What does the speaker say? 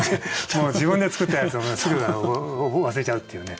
もう自分で作ったやつをすぐ忘れちゃうっていうね。